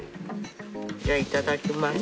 じゃあいただきます。